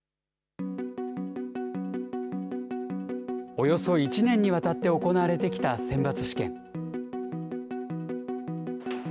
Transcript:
およそ１年にわたって行われてきた選抜試験。